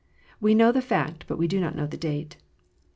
We know the fact, but we do not know the date.